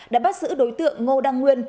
đã bắt giữ đối tượng ngô đăng nguyên